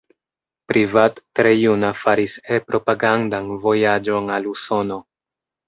Privat tre juna faris E-propagandan vojaĝon al Usono.